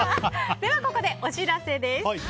ではここでお知らせです。